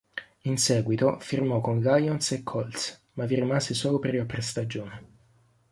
In seguito firmò con Lions e Colts ma vi rimase solo per la pre-stagione.